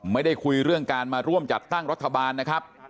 ไม่ได้คุยเรื่องการมาร่วมจัดตั้งรัฐบาลนะครับ